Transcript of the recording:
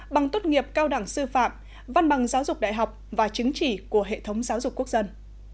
bằng tốt nghiệp cao đẳng sư phạm văn bằng giáo dục đại học và chứng chỉ của hệ thống giáo dục quốc dân